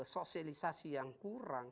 sosialisasi yang kurang